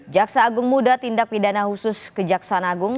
jaksa agung muda tindak pidana khusus kejaksaan agung